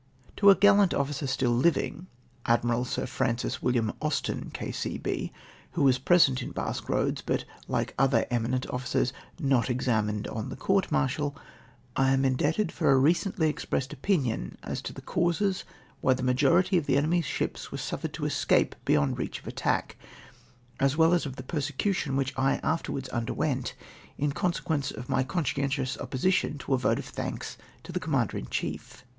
To a gallant officer still living, Admiral Sir Francis William Austen, K.C.B., who was present in Basque Koads, but, like other eminent officers, not examined on the court martial, I am indebted for a recently expressed opinion as to the causes why the majority of the enemy's ships were suffiered to escape beyond reach of attack, as well as of the persecution which I afterwards underwent, in consequence of my con scientious opposition to a vote of thanks to the Com mander in chief.